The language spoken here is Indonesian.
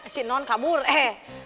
si non kabur eh